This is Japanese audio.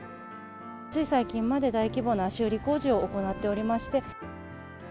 つい最近まで大規模な修理工事を行っておりまして。